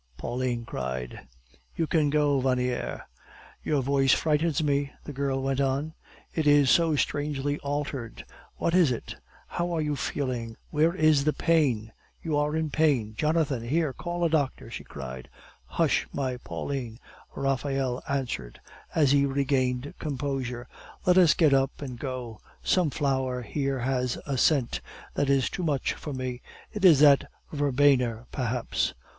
Pauline cried. "You can go, Vaniere." "Your voice frightens me," the girl went on; "it is so strangely altered. What is it? How are you feeling? Where is the pain? You are in pain! Jonathan! here! call a doctor!" she cried. "Hush, my Pauline," Raphael answered, as he regained composure. "Let us get up and go. Some flower here has a scent that is too much for me. It is that verbena, perhaps."